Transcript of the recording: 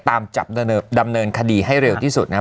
ตามจับดำเนินคดีให้เร็วที่สุดนะครับ